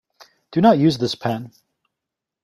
Do not use this pen.